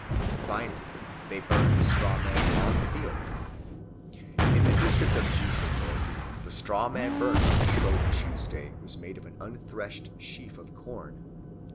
Finally they burned a straw man on the field. In the district of Düsseldorf the straw man burned on Shrove Tuesday was made of an unthreshed sheaf of corn.